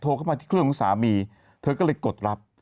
เข้ามาที่เครื่องของสามีเธอก็เลยกดรับ